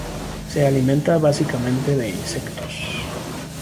Se alimenta básicamente de insectos.